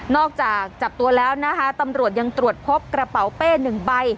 จากจับตัวแล้วนะคะตำรวจยังตรวจพบกระเป๋าเป้หนึ่งใบ